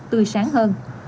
tươi sáng hơn